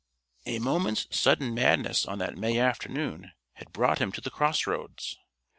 A moment's sudden madness on that May afternoon had brought him to the cross roads.